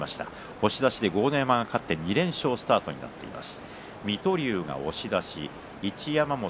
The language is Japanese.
押し出しで豪ノ山が勝って２連勝スタートになっています。